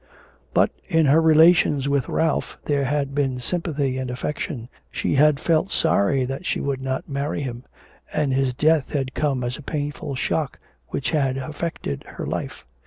But, in her relations with Ralph, there had been sympathy and affection, she had felt sorry that she would not marry him, and his death had come as a painful shock which had affected her life.